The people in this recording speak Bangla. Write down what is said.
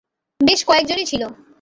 বেশ কয়েকজনই ছিল।